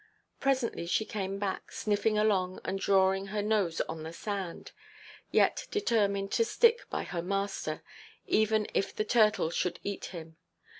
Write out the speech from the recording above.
Presently she came back, sniffing along, and drawing her nose on the sand, yet determined to stick by her master, even if the turtle should eat him.